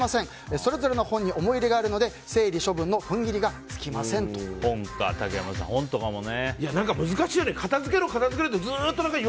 それぞれの本に思い入れがあるので整理、処分の竹山さん、本とかもね。